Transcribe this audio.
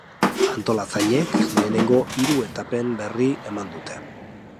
Antolatzaileek lehenengo hiru etapen berri eman dute.